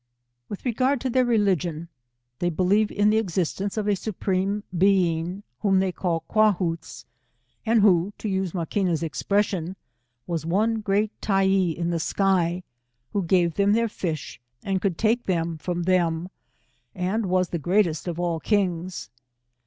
With regard to their religion — They believe in the existence of a Supreme Being, whom they call Qiiahooize^ and who, to use Maqnina's expression, was one great Tyee in the sky, who gave them their fish, and could take them from them, and was the greatest of all king*.